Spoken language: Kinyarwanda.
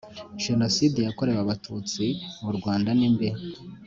jenoside yakorewe Abatutsi mu rwanda nimbi